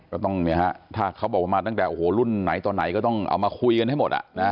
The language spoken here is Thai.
ก็ต้องถ้าเขาบอกมาตั้งแต่รุ่นไหนต่อไหนก็ต้องเอามาคุยกันให้หมด